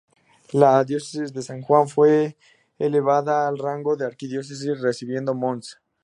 La Diócesis de San Juan fue elevada al rango de Arquidiócesis, recibiendo Mons.